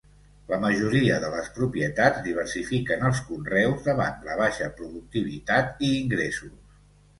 La majoria de les propietats diversifiquen els conreus davant la baixa productivitat i ingressos.